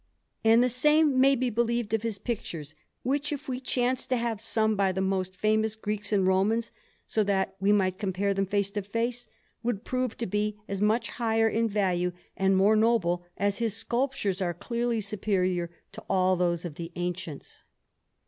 And the same may be believed of his pictures, which; if we chanced to have some by the most famous Greeks and Romans, so that we might compare them face to face, would prove to be as much higher in value and more noble as his sculptures are clearly superior to all those of the ancients.